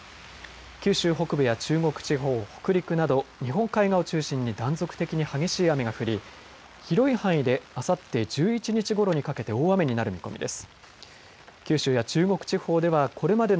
九州北部や中国地方北陸など日本海側を中心に断続的に激しい雨が降り広い範囲であさって１１日ごろにかけて大雨になる見込みです。